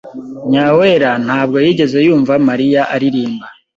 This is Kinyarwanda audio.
Nyawera ntabwo yigeze yumva Mariya aririmba.